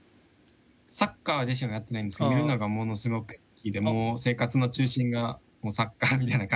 サッカー自身はやってないんですけど見るのがものすごく好きでもう生活の中心がサッカーみたいな感じにはなってます。